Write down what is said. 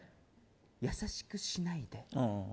優しくしないで。